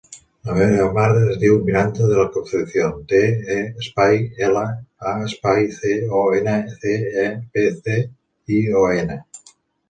La meva mare es diu Miranda De La Concepcion: de, e, espai, ela, a, espai, ce, o, ena, ce, e, pe, ce, i, o, ena.